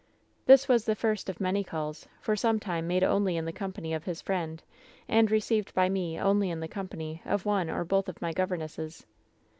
"This was the first of many calls — for some time made only in the company of his friend, and received by me only in the company of one or both of my governesses.